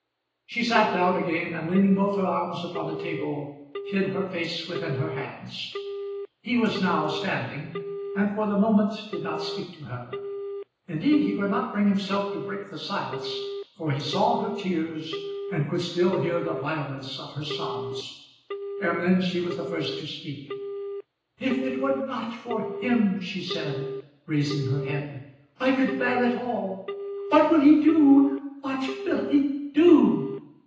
She sat down again, and leaning both her arms upon the table, hid her face within her hands. He was now standing, and for the moment did not speak to her. Indeed he could not bring himself to break the silence, for he saw her tears, and could still hear the violence of her sobs. And then she was the first to speak. "If it were not for him," she said, raising her head, "I could bear it all. What will he do? what will he do?"